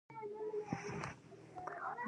په ورسپارل شوې دنده کې د ناکامۍ په صورت کې.